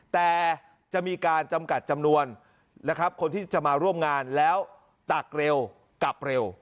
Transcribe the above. แต่จะมีการจำกัดจำนวนนะครับคนที่จะมาร่วมงานแล้วตักเร็วกลับเร็ว